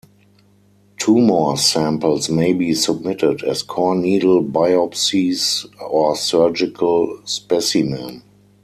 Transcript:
Tumor samples may be submitted as core needle biopsies or surgical specimen.